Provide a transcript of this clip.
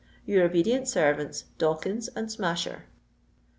"Your obedient Servants, "DAWKINS and SMASHER."